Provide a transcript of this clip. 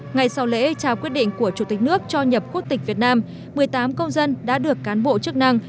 ngày sau lễ trao quyết định của chủ tịch nước cho nhập quốc tịch việt nam một mươi tám công dân đã được cán bộ chức năng